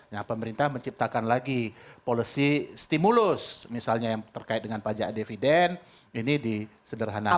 nah pemerintah menciptakan lagi policy stimulus misalnya yang terkait dengan pajak dividen ini disederhanakan